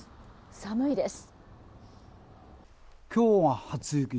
寒いです。